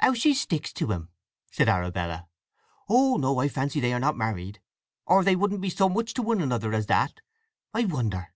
"How she sticks to him!" said Arabella. "Oh no—I fancy they are not married, or they wouldn't be so much to one another as that… I wonder!"